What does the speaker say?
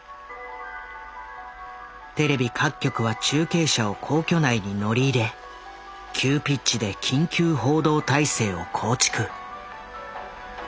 テレビ各局は中継車を皇居内に乗り入れ急ピッチで緊急報道態勢を構築。